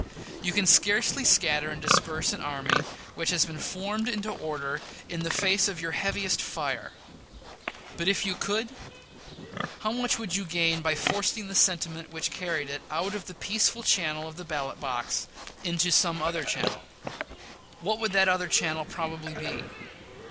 You can scarcely scatter and disperse an army which has been formed into order in the face of your heaviest fire; but if you could, how much would you gain by forcing the sentiment which created it out of the peaceful channel of the ballot box, into some other channel? What would that other channel probably be?